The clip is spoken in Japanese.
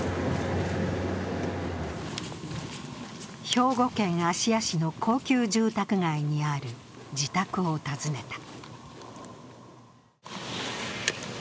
兵庫県芦屋市の高級住宅街にある自宅を訪ねた。